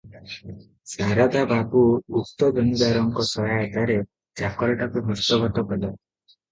ଶାରଦା ବାବୁ ଉକ୍ତ ଜମିଦାରଙ୍କ ସହାୟତାରେ ଚାକରଟାକୁ ହସ୍ତଗତ କଲେ ।